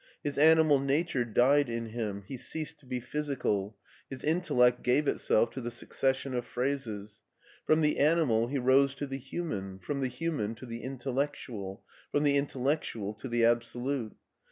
His animal nature died in him, he ceased to be physical, his intellect gave itself to the succession of phrases. From the animal he rose to the human, from the human to the intellectual, from the intel lectual to the absolute.